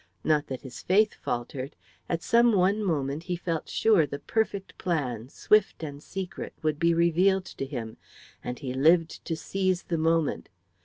Not that his faith faltered. At some one moment he felt sure the perfect plan, swift and secret, would be revealed to him, and he lived to seize the moment.